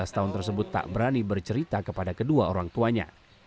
danianis tersebut tak berani bercerita kepada kedua orang tuanya